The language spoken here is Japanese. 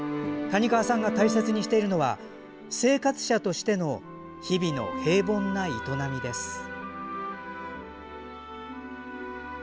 谷川さんが大切にしているのは、生活者としての日々の平凡な営みです。